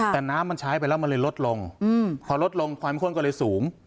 แต่น้ำมันใช้ไปแล้วมันเลยลดลงพอลดลงความข้นก็เลยสูง